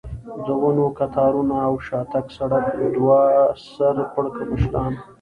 د ونو کتارونه او د شاتګ سړک، دوه سر پړکمشران.